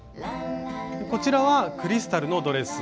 こちらはクリスタルのドレス。